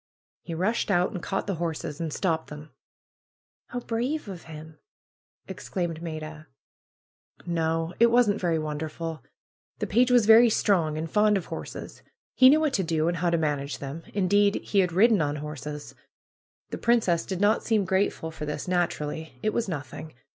^^He rushed out and caught the horses and stopped them." ^^How brave of him!" exclaimed Maida. ^^No, it wasn't very wonderful. The page was very strong, and fond of horses. He knew what to do, and how to manage them. Indeed, he had ridden on horses. The princess did not seem grateful for this, naturally. It was nothing.